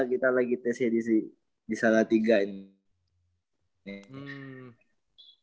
kita lagi tesnya di salah tiga ini